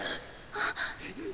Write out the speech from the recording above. あっ！